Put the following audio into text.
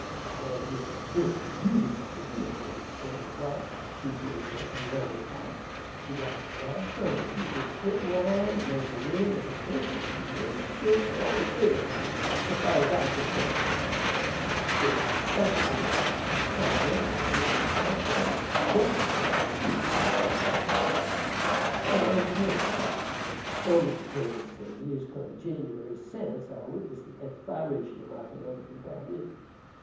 And there's Mr. Smith, Jubiter Smith: you know him, Mr. Crane, his wife, (she 't was Aurory Pike) she died last summer, and he's ben squintin' round among the wimmin ever since, and he may squint for all the good it'll dew him so far as I'm consarned, though Mr. Smith's a respectable man, quite young and hain't no family, very well off, tew, and quite intellectible, but I'm purty partickler. Oh, Mr. Crane, it's ten years come Jinniwary sense I witnessed the expiration o' my belovid companion!